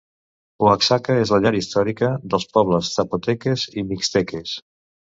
Oaxaca és la llar històrica dels pobles zapoteques i mixteques.